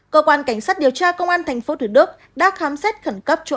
cơ quan cảnh sát điều tra công an thành phố thủy đức đã khám xét khẩn cấp chỗ ở